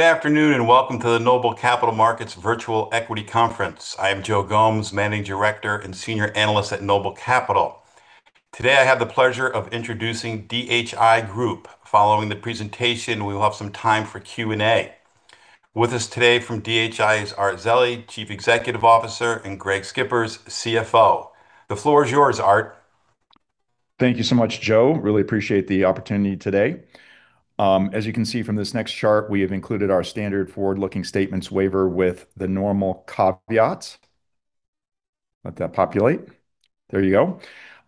Good afternoon, and welcome to the Noble Capital Markets Virtual Equity Conference. I am Joe Gomes, Managing Director and Senior Analyst at Noble Capital. Today, I have the pleasure of introducing DHI Group. Following the presentation, we will have some time for Q&A. With us today from DHI is Art Zeile, Chief Executive Officer, and Greg Schippers, CFO. The floor is yours, Art. Thank you so much, Joe. Really appreciate the opportunity today. As you can see from this next chart, we have included our standard forward-looking statements waiver with the normal caveats. Let that populate. There you go.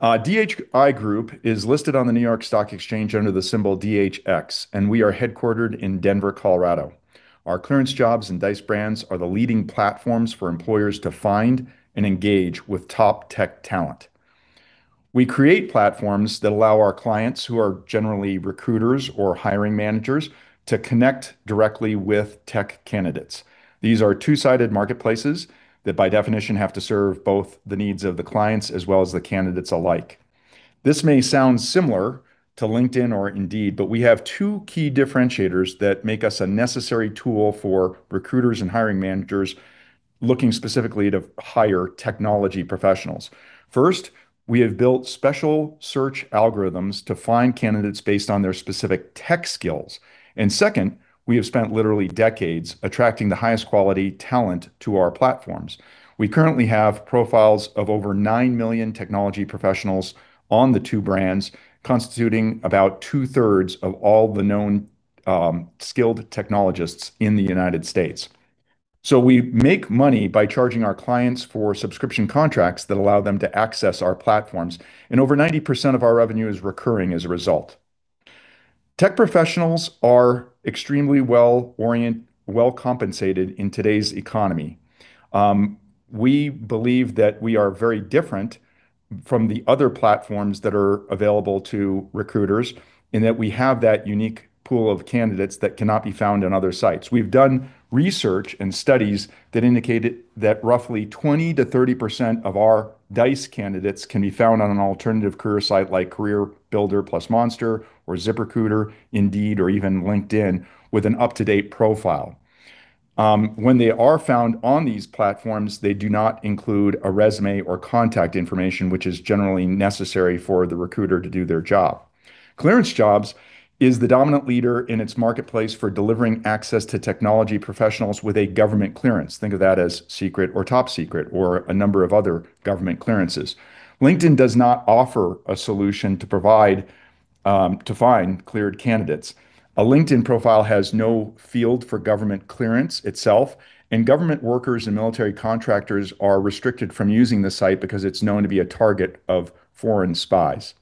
DHI Group is listed on the New York Stock Exchange under the symbol DHX, and we are headquartered in Denver, Colorado. Our ClearanceJobs and Dice brands are the leading platforms for employers to find and engage with top tech talent. We create platforms that allow our clients, who are generally recruiters or hiring managers, to connect directly with tech candidates. These are two-sided marketplaces that by definition have to serve both the needs of the clients as well as the candidates alike. This may sound similar to LinkedIn or Indeed, but we have two key differentiators that make us a necessary tool for recruiters and hiring managers looking specifically to hire technology professionals. We have built special search algorithms to find candidates based on their specific tech skills. Second, we have spent literally decades attracting the highest quality talent to our platforms. We currently have profiles of over 9 million technology professionals on the two brands, constituting about two-thirds of all the known skilled technologists in the U.S. We make money by charging our clients for subscription contracts that allow them to access our platforms, and over 90% of our revenue is recurring as a result. Tech professionals are extremely well-compensated in today's economy. We believe that we are very different from the other platforms that are available to recruiters, in that we have that unique pool of candidates that cannot be found on other sites. We've done research and studies that indicated that roughly 20%-30% of our Dice candidates can be found on an alternative career site like CareerBuilder, Monster, or ZipRecruiter, Indeed, or even LinkedIn with an up-to-date profile. When they are found on these platforms, they do not include a resume or contact information, which is generally necessary for the recruiter to do their job. ClearanceJobs is the dominant leader in its marketplace for delivering access to technology professionals with a government clearance. Think of that as secret or top secret or a number of other government clearances. LinkedIn does not offer a solution to find cleared candidates. A LinkedIn profile has no field for government clearance itself, and government workers and military contractors are restricted from using the site because it's known to be a target of foreign spies.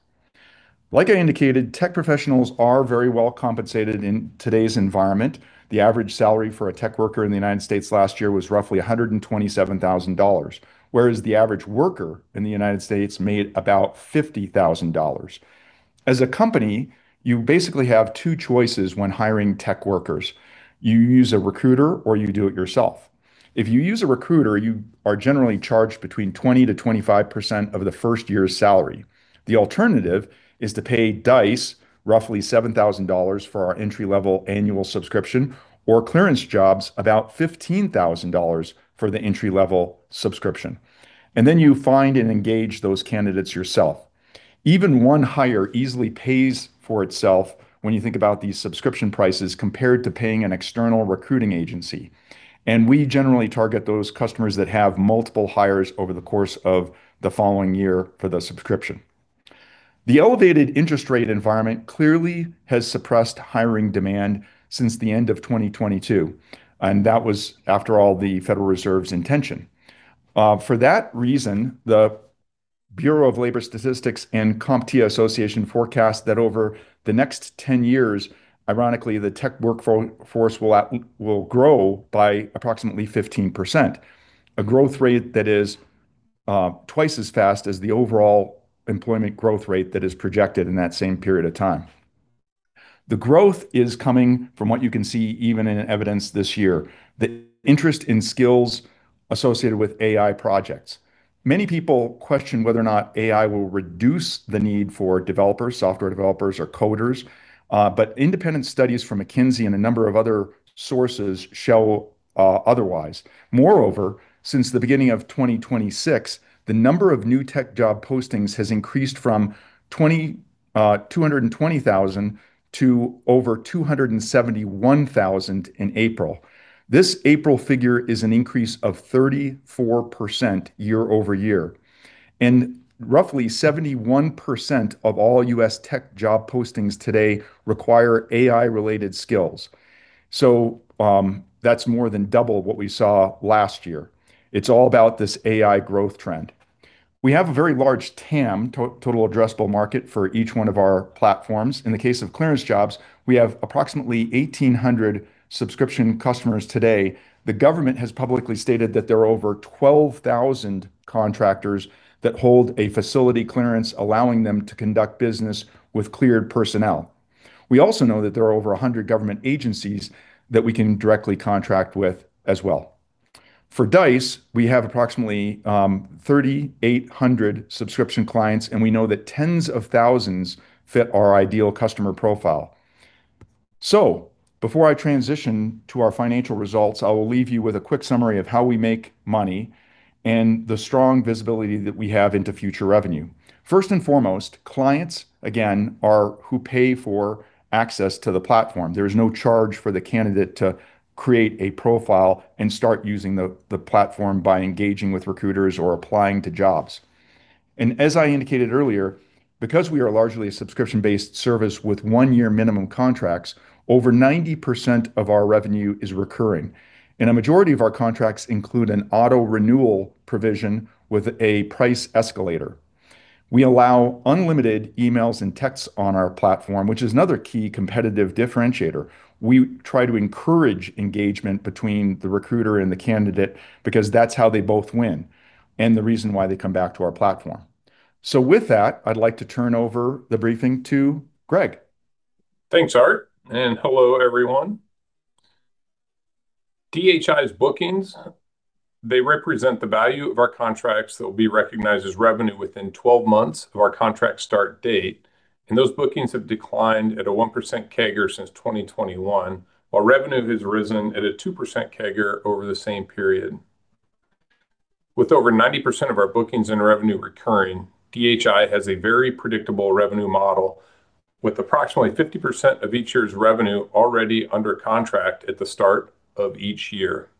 I indicated, tech professionals are very well compensated in today's environment. The average salary for a tech worker in the U.S. last year was roughly $127,000, whereas the average worker in the U.S. made about $50,000. As a company, you basically have two choices when hiring tech workers. You use a recruiter, or you do it yourself. If you use a recruiter, you are generally charged between 20%-25% of the first year's salary. The alternative is to pay Dice roughly $7,000 for our entry-level annual subscription or ClearanceJobs about $15,000 for the entry-level subscription. Then you find and engage those candidates yourself. Even one hire easily pays for itself when you think about these subscription prices compared to paying an external recruiting agency. We generally target those customers that have multiple hires over the course of the following year for the subscription. The elevated interest rate environment clearly has suppressed hiring demand since the end of 2022, and that was, after all, the Federal Reserve's intention. For that reason, the Bureau of Labor Statistics and CompTIA forecast that over the next 10 years, ironically, the tech workforce will grow by approximately 15%, a growth rate that is twice as fast as the overall employment growth rate that is projected in that same period of time. The growth is coming from what you can see even in evidence this year, the interest in skills associated with AI projects. Many people question whether or not AI will reduce the need for developers, software developers, or coders, but independent studies from McKinsey and a number of other sources show otherwise. Moreover, since the beginning of 2026, the number of new tech job postings has increased from 220,000 to over 271,000 in April. This April figure is an increase of 34% year-over-year, and roughly 71% of all U.S. tech job postings today require AI-related skills. That's more than double what we saw last year. It's all about this AI growth trend. We have a very large TAM, total addressable market, for each one of our platforms. In the case of ClearanceJobs, we have approximately 1,800 subscription customers today. The government has publicly stated that there are over 12,000 contractors that hold a facility clearance, allowing them to conduct business with cleared personnel. We also know that there are over 100 government agencies that we can directly contract with as well. For Dice, we have approximately 3,800 subscription clients, and we know that tens of thousands fit our ideal customer profile. Before I transition to our financial results, I will leave you with a quick summary of how we make money and the strong visibility that we have into future revenue. First and foremost, clients, again, are who pay for access to the platform. There is no charge for the candidate to create a profile and start using the platform by engaging with recruiters or applying to jobs. As I indicated earlier, because we are largely a subscription-based service with one-year minimum contracts, over 90% of our revenue is recurring, and a majority of our contracts include an auto-renewal provision with a price escalator. We allow unlimited emails and texts on our platform, which is another key competitive differentiator. We try to encourage engagement between the recruiter and the candidate because that's how they both win, and the reason why they come back to our platform. With that, I'd like to turn over the briefing to Greg. Thanks, Art, and hello, everyone. DHI's bookings, they represent the value of our contracts that will be recognized as revenue within 12 months of our contract start date, and those bookings have declined at a 1% CAGR since 2021, while revenue has risen at a 2% CAGR over the same period. With over 90% of our bookings and revenue recurring, DHI has a very predictable revenue model, with approximately 50% of each year's revenue already under contract at the start of each year.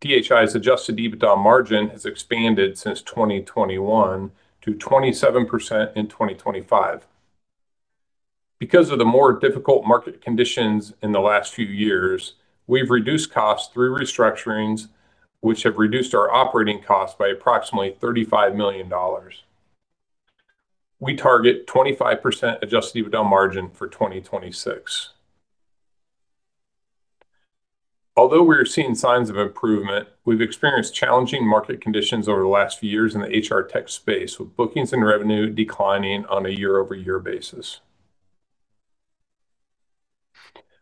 DHI's adjusted EBITDA margin has expanded since 2021 to 27% in 2025. Because of the more difficult market conditions in the last few years, we've reduced costs through restructurings, which have reduced our operating costs by approximately $35 million. We target 25% adjusted EBITDA margin for 2026. Although we are seeing signs of improvement, we've experienced challenging market conditions over the last few years in the HR tech space, with bookings and revenue declining on a year-over-year basis.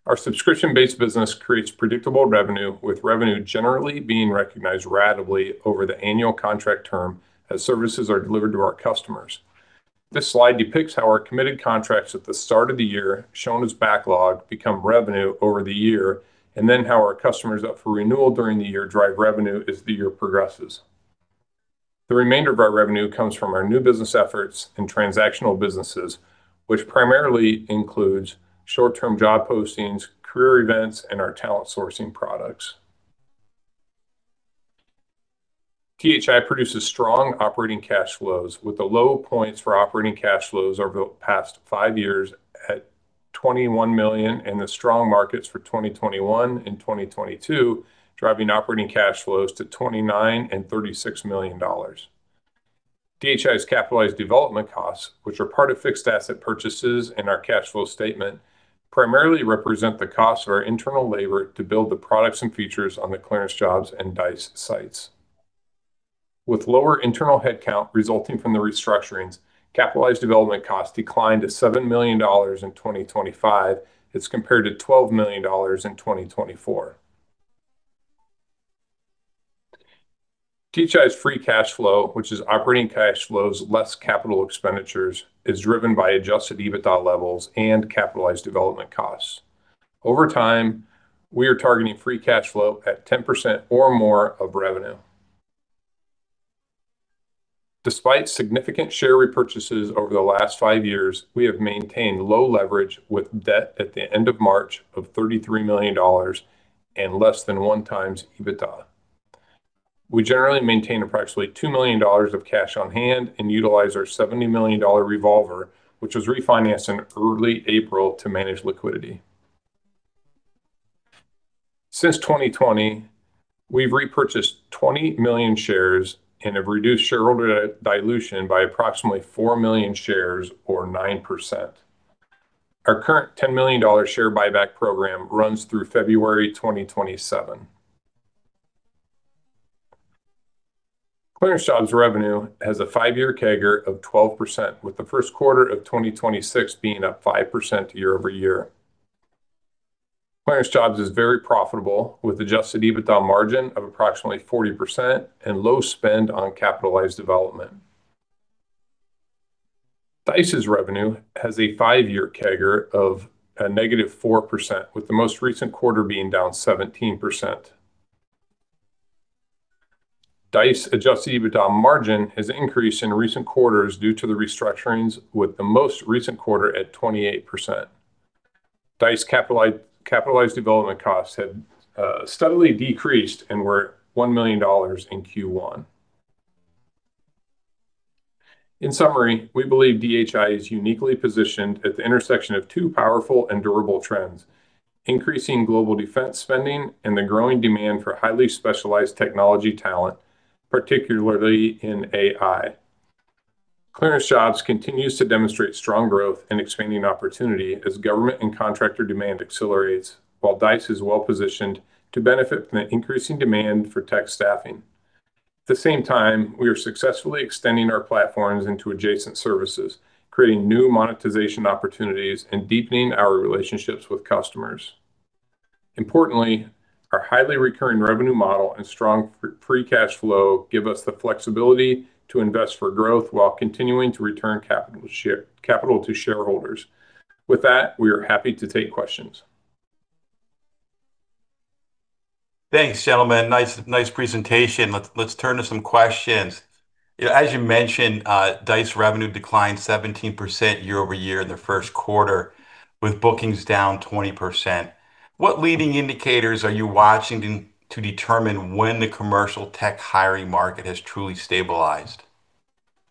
Our subscription-based business creates predictable revenue, with revenue generally being recognized ratably over the annual contract term as services are delivered to our customers. This slide depicts how our committed contracts at the start of the year, shown as backlog, become revenue over the year, and then how our customers up for renewal during the year drive revenue as the year progresses. The remainder of our revenue comes from our new business efforts and transactional businesses, which primarily includes short-term job postings, career events, and our talent sourcing products. DHI produces strong operating cash flows, with the low points for operating cash flows over the past five years at $21 million and the strong markets for 2021 and 2022 driving operating cash flows to $29 and $36 million. DHI's capitalized development costs, which are part of fixed asset purchases in our cash flow statement, primarily represent the cost of our internal labor to build the products and features on the ClearanceJobs and Dice sites. With lower internal headcount resulting from the restructurings, capitalized development costs declined to $7 million in 2025 as compared to $12 million in 2024. DHI's free cash flow, which is operating cash flows less capital expenditures, is driven by adjusted EBITDA levels and capitalized development costs. Over time, we are targeting free cash flow at 10% or more of revenue. Despite significant share repurchases over the last five years, we have maintained low leverage with debt at the end of March of $33 million and less than one times EBITDA. We generally maintain approximately $2 million of cash on hand and utilize our $70 million revolver, which was refinanced in early April to manage liquidity. Since 2020, we've repurchased 20 million shares and have reduced shareholder dilution by approximately four million shares or 9%. Our current $10 million share buyback program runs through February 2027. ClearanceJobs revenue has a five-year CAGR of 12%, with the first quarter of 2026 being up 5% year-over-year. ClearanceJobs is very profitable, with adjusted EBITDA margin of approximately 40% and low spend on capitalized development. Dice's revenue has a five-year CAGR of a negative 4%, with the most recent quarter being down 17%. Dice adjusted EBITDA margin has increased in recent quarters due to the restructurings, with the most recent quarter at 28%. Dice capitalized development costs have steadily decreased and were at $1 million in Q1. In summary, we believe DHI is uniquely positioned at the intersection of two powerful and durable trends: increasing global defense spending and the growing demand for highly specialized technology talent, particularly in AI. ClearanceJobs continues to demonstrate strong growth and expanding opportunity as government and contractor demand accelerates, while Dice is well-positioned to benefit from the increasing demand for tech staffing. At the same time, we are successfully extending our platforms into adjacent services, creating new monetization opportunities and deepening our relationships with customers. Importantly, our highly recurring revenue model and strong free cash flow give us the flexibility to invest for growth while continuing to return capital to shareholders. With that, we are happy to take questions. Thanks, gentlemen. Nice presentation. Let's turn to some questions. As you mentioned, Dice revenue declined 17% year-over-year in the first quarter, with bookings down 20%. What leading indicators are you watching to determine when the commercial tech hiring market has truly stabilized?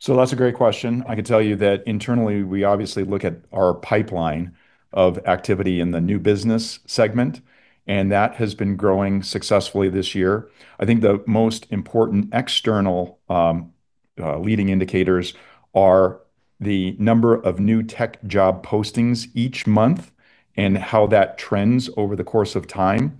That's a great question. I can tell you that internally, we obviously look at our pipeline of activity in the new business segment, that has been growing successfully this year. I think the most important external leading indicators are the number of new tech job postings each month and how that trends over the course of time.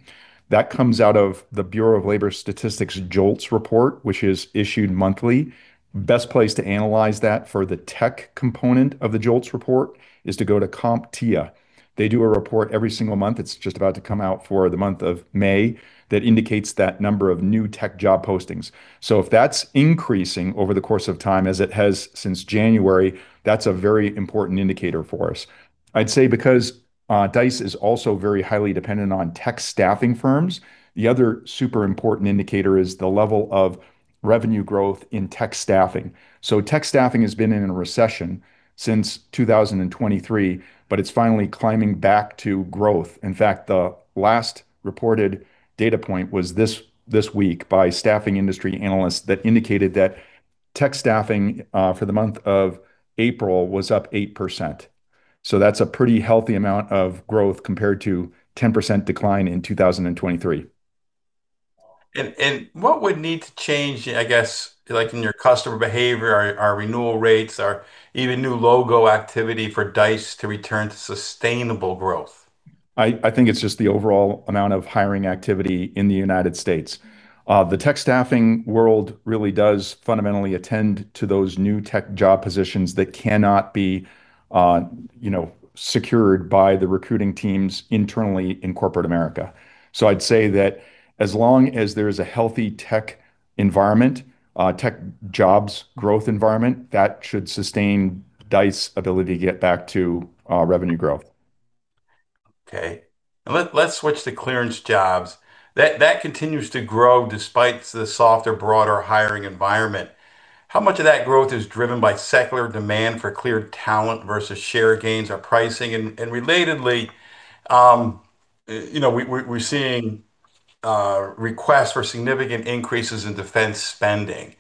That comes out of the Bureau of Labor Statistics JOLTS report, which is issued monthly. Best place to analyze that for the tech component of the JOLTS report is to go to CompTIA. They do a report every single month, it's just about to come out for the month of May, that indicates that number of new tech job postings. If that's increasing over the course of time as it has since January, that's a very important indicator for us. I'd say because Dice is also very highly dependent on tech staffing firms, the other super important indicator is the level of revenue growth in tech staffing. Tech staffing has been in a recession since 2023, but it's finally climbing back to growth. In fact, the last reported data point was this week by Staffing Industry Analysts that indicated that tech staffing for the month of April was up 8%. That's a pretty healthy amount of growth compared to 10% decline in 2023. What would need to change, I guess, in your customer behavior or renewal rates or even new logo activity for Dice to return to sustainable growth? I think it's just the overall amount of hiring activity in the United States. The tech staffing world really does fundamentally attend to those new tech job positions that cannot be secured by the recruiting teams internally in corporate America. I'd say that as long as there is a healthy tech environment, tech jobs growth environment, that should sustain Dice ability to get back to revenue growth. Okay. Let's switch to ClearanceJobs. That continues to grow despite the softer, broader hiring environment. How much of that growth is driven by secular demand for cleared talent versus share gains or pricing? Relatedly, we're seeing requests for significant increases in defense spending.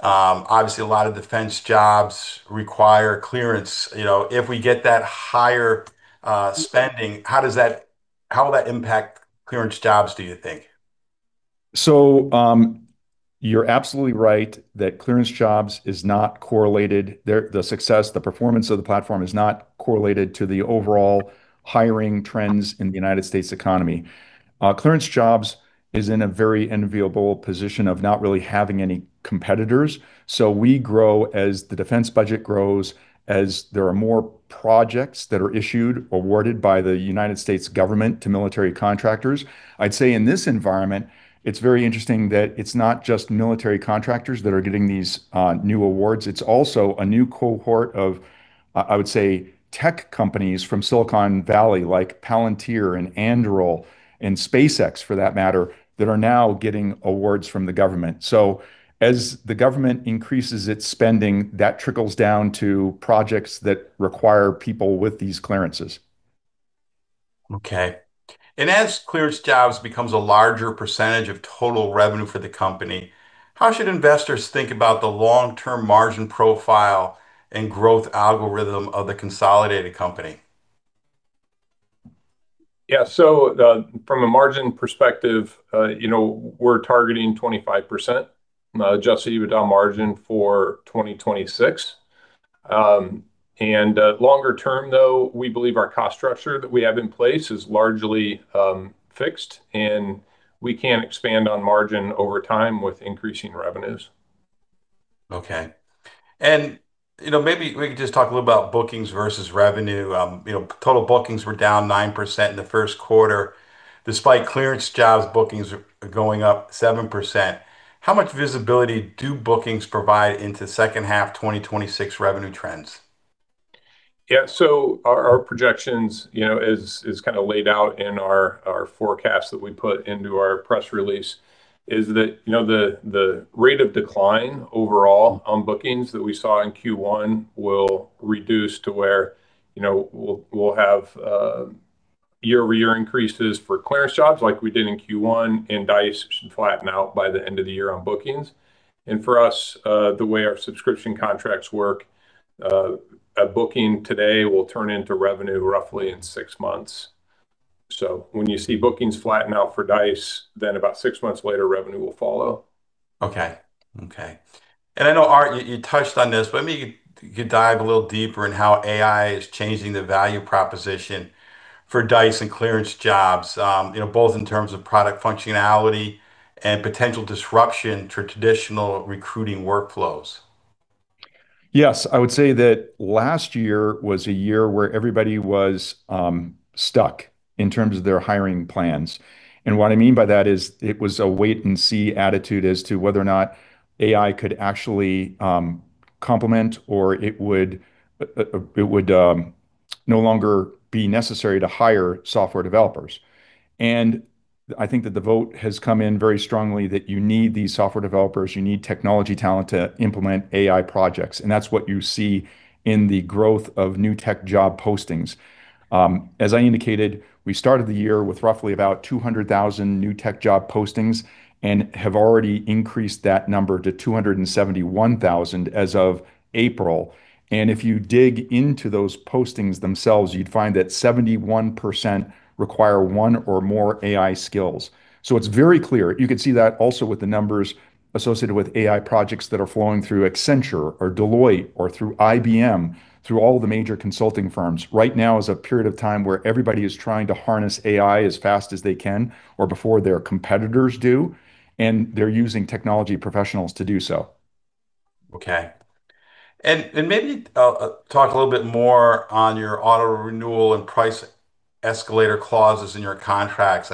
Obviously, a lot of defense jobs require clearance. If we get that higher spending, how will that impact ClearanceJobs, do you think? You're absolutely right. The success, the performance of the platform is not correlated to the overall hiring trends in the U.S. economy. ClearanceJobs is in a very enviable position of not really having any competitors. We grow as the defense budget grows, as there are more projects that are issued, awarded by the U.S. government to military contractors. I'd say in this environment, it's very interesting that it's not just military contractors that are getting these new awards. It's also a new cohort of, I would say, tech companies from Silicon Valley, like Palantir and Anduril, and SpaceX for that matter, that are now getting awards from the government. As the government increases its spending, that trickles down to projects that require people with these clearances. Okay. As ClearanceJobs becomes a larger percent of total revenue for the company, how should investors think about the long-term margin profile and growth algorithm of the consolidated company? Yeah. From a margin perspective, we're targeting 25% adjusted EBITDA margin for 2026. Longer term, though, we believe our cost structure that we have in place is largely fixed, and we can expand on margin over time with increasing revenues. Okay. Maybe we could just talk a little about bookings versus revenue. Total bookings were down 9% in the first quarter, despite ClearanceJobs bookings going up 7%. How much visibility do bookings provide into second half 2026 revenue trends? Yeah. Our projections, as kind of laid out in our forecast that we put into our press release is that the rate of decline overall on bookings that we saw in Q1 will reduce to where we'll have year-over-year increases for ClearanceJobs like we did in Q1, and Dice should flatten out by the end of the year on bookings. For us, the way our subscription contracts work, a booking today will turn into revenue roughly in six months. When you see bookings flatten out for Dice, then about six months later, revenue will follow. Okay. I know, Art, you touched on this, but maybe you could dive a little deeper in how AI is changing the value proposition for Dice and ClearanceJobs, both in terms of product functionality and potential disruption to traditional recruiting workflows. Yes. I would say that last year was a year where everybody was stuck in terms of their hiring plans. What I mean by that is it was a wait and see attitude as to whether or not AI could actually complement or it would no longer be necessary to hire software developers. I think that the vote has come in very strongly that you need these software developers, you need technology talent to implement AI projects, and that's what you see in the growth of new tech job postings. As I indicated, we started the year with roughly about 200,000 new tech job postings and have already increased that number to 271,000 as of April. If you dig into those postings themselves, you'd find that 71% require one or more AI skills. It's very clear. You could see that also with the numbers associated with AI projects that are flowing through Accenture or Deloitte or through IBM, through all of the major consulting firms. Right now is a period of time where everybody is trying to harness AI as fast as they can or before their competitors do, and they're using technology professionals to do so. Okay. Maybe talk a little bit more on your auto renewal and price escalator clauses in your contracts.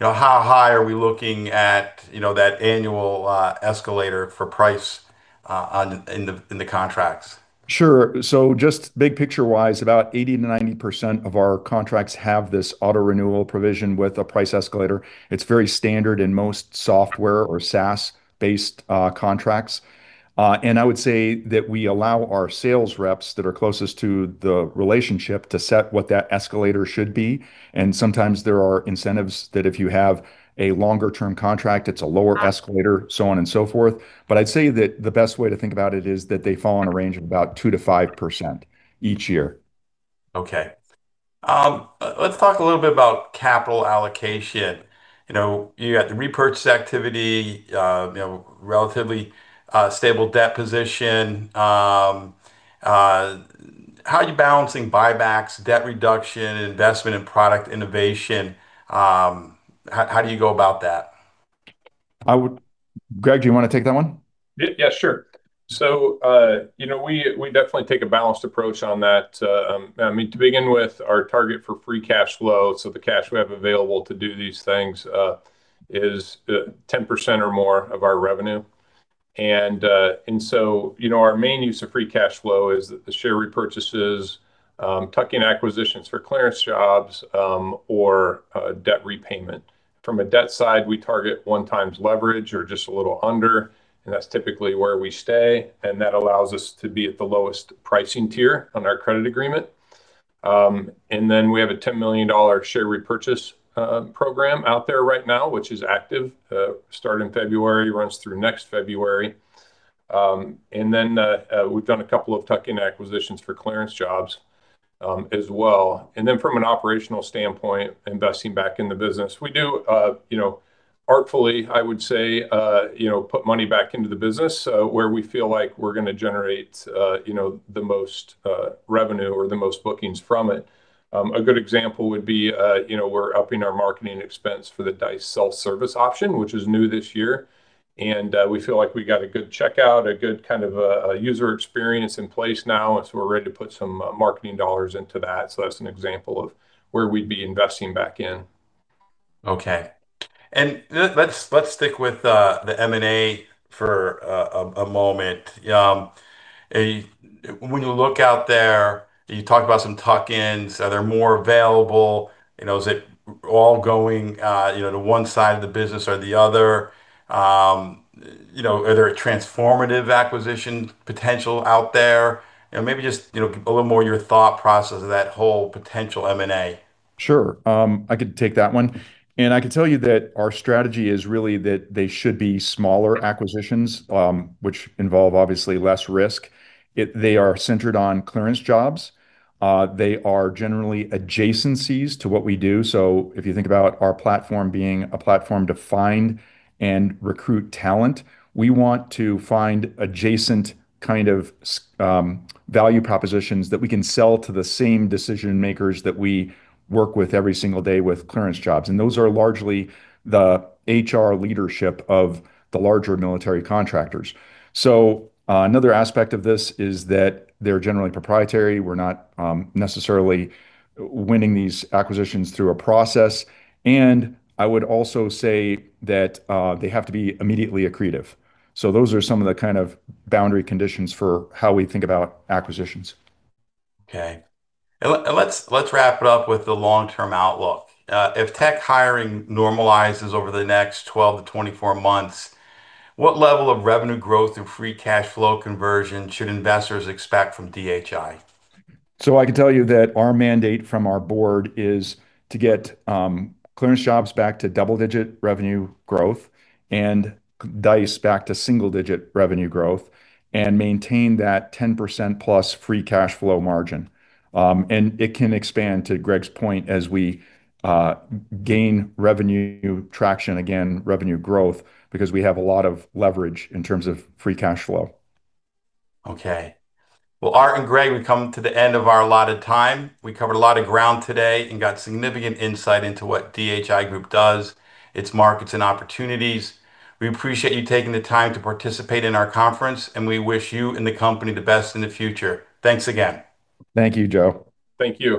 How high are we looking at that annual escalator for price in the contracts? Sure. Just big picture-wise, about 80%-90% of our contracts have this auto renewal provision with a price escalator. It's very standard in most software or SaaS-based contracts. I would say that we allow our sales reps that are closest to the relationship to set what that escalator should be, and sometimes there are incentives that if you have a longer term contract, it's a lower escalator, so on and so forth. I'd say that the best way to think about it is that they fall in a range of about 2%-5% each year. Okay. Let's talk a little bit about capital allocation. You got the repurchase activity, relatively stable debt position. How are you balancing buybacks, debt reduction, investment in product innovation? How do you go about that? Greg, do you want to take that one? Yeah, sure. We definitely take a balanced approach on that. To begin with, our target for free cash flow, so the cash we have available to do these things, is 10% or more of our revenue. Our main use of free cash flow is the share repurchases, tuck-in acquisitions for ClearanceJobs, or debt repayment. From a debt side, we target one times leverage or just a little under, and that's typically where we stay, and that allows us to be at the lowest pricing tier on our credit agreement. We have a $10 million share repurchase program out there right now, which is active, starting February, runs through next February. We've done a couple of tuck-in acquisitions for ClearanceJobs as well. From an operational standpoint, investing back in the business. We do artfully, I would say, put money back into the business, where we feel like we're going to generate the most revenue or the most bookings from it. We feel like we're upping our marketing expense for the Dice self-service option, which is new this year. We feel like we got a good checkout, a good kind of a user experience in place now, we're ready to put some marketing dollars into that. That's an example of where we'd be investing back in. Okay. Let's stick with the M&A for a moment. When you look out there, you talk about some tuck-ins, are there more available? Is it all going to one side of the business or the other? Are there transformative acquisition potential out there? Maybe just a little more your thought process of that whole potential M&A? Sure. I could take that one. I can tell you that our strategy is really that they should be smaller acquisitions, which involve obviously less risk. They are centered on ClearanceJobs. They are generally adjacencies to what we do. If you think about our platform being a platform to find and recruit talent, we want to find adjacent kind of value propositions that we can sell to the same decision-makers that we work with every single day with ClearanceJobs, and those are largely the HR leadership of the larger military contractors. Another aspect of this is that they're generally proprietary. We're not necessarily winning these acquisitions through a process. I would also say that they have to be immediately accretive. Those are some of the kind of boundary conditions for how we think about acquisitions. Okay. Let's wrap it up with the long-term outlook. If tech hiring normalizes over the next 12-24 months, what level of revenue growth and free cash flow conversion should investors expect from DHI? I can tell you that our mandate from our board is to get ClearanceJobs back to double-digit revenue growth and Dice back to single-digit revenue growth and maintain that 10%+ free cash flow margin. It can expand, to Greg's point, as we gain revenue traction again, revenue growth, because we have a lot of leverage in terms of free cash flow. Well, Art and Greg, we've come to the end of our allotted time. We covered a lot of ground today and got significant insight into what DHI Group does, its markets, and opportunities. We appreciate you taking the time to participate in our conference, and we wish you and the company the best in the future. Thanks again. Thank you, Joe. Thank you.